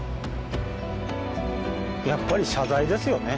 やっぱり謝罪ですよね。